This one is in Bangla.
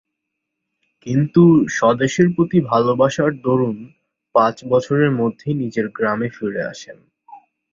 কিন্তু স্বদেশের প্রতি ভালবাসার দরুন পাঁচ বছরের মধ্যেই নিজের গ্রামে ফিরে আসেন।